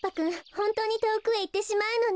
ホントにとおくへいってしまうのね。